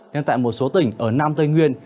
nên tại một số tỉnh ở nam tây nguyên